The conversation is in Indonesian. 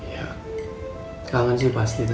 ya kangen sih pasti itu